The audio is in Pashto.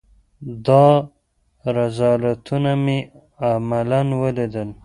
دا رذالتونه مې عملاً وليدل.